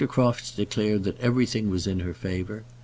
Crofts declared that everything was in her favour.